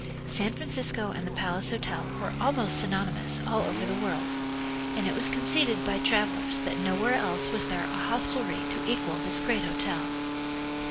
San Francisco and the Palace Hotel were almost synonymous all over the world, and it was conceded by travelers that nowhere else was there a hostelry to equal this great hotel.